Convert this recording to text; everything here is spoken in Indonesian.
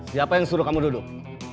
siapa yang suruh kamu duduk